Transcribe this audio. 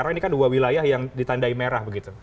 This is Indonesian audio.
karena ini kan dua wilayah yang ditandai merah begitu